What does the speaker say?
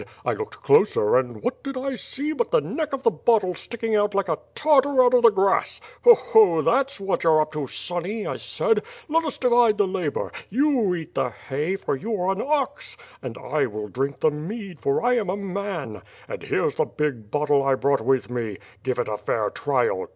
T looked closer, and what did T see but the neck of the bottle sticking out like a Tartar out of the grass. Ho! Ho! that's what you're up to, sonnie, I said, let us divide the labor; you eat the hay, for you are an ox; and 1 will drink the mead, for I am a man; and here's the big Imttle T brought with me. Give it a fair trial.